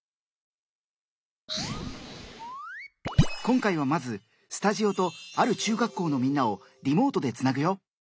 今回はまずスタジオとある中学校のみんなをリモートでつなぐよ！